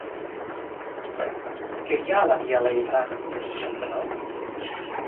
Què hi ha a la via Laietana número seixanta-nou?